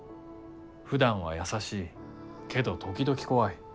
ふだんは優しいけど時々怖い。